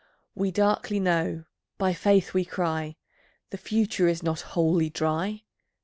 We darkly know, by Faith we cry, The future is not Wholly Dry.